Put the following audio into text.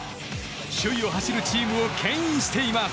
首位を走るチームを牽引しています。